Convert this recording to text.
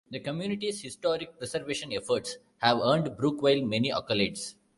The community's historic preservation efforts have earned Brookville many accolades.